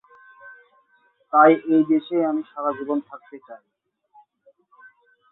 সেমি-ফাইনালে পরাজিত দল ব্রোঞ্জ পদক ম্যাচে এবং বিজয়ী দল ফাইনালে মুখোমুখি হবে।